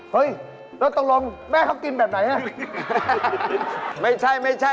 เฮ่ยแล้วตรงรวมแม่เขากินแบบไหนน่ะ